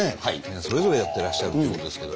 それぞれやってらっしゃるっていうことですけど。